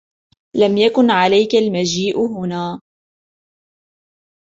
لم يكن عليك المجيء هنا.